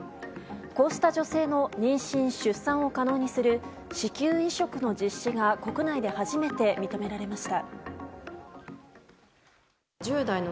こうした女性の妊娠・出産を可能にする子宮移植の実施が国内で初めて認められました。